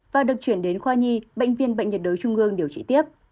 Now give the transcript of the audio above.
và được chuyển đến khoa nhi bệnh viện bệnh nhiệt đới trung ương điều trị tiếp